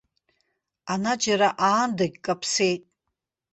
Ана џьара аандагь каԥсеит.